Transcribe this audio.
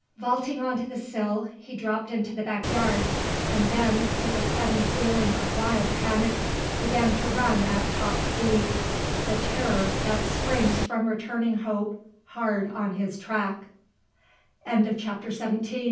Vaulting on to the sill he dropped into the backyard, and then, with a sudden feeling of wild panic, began to run at top speed, the terror that springs from returning hope hard on his track. CHAPTER XVIII. FROM A WINDOW.